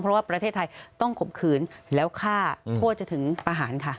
เพราะว่าประเทศไทยต้องข่มขืนแล้วฆ่าโทษจะถึงประหารค่ะ